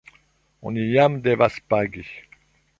Oni jam devas pagi?